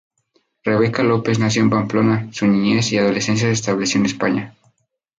Rebeca López nació en Pamplona su niñez y adolescencia se estableció en España.